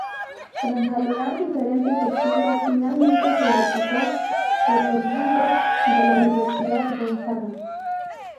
Tras valorar diferentes opciones, finalmente se decantó por los "Bulldogs" de la Universidad Gonzaga.